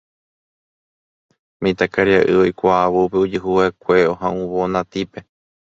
Mitãkaria'y oikuaávo upe ojehuva'ekue oha'uvõ Natípe